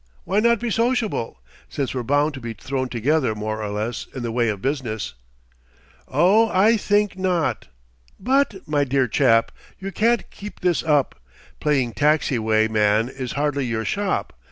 Why not be sociable, since we're bound to be thrown together more or less in the way of business." "Oh, I think not." "But, my dear chap, you can't keep this up. Playing taxi way man is hardly your shop.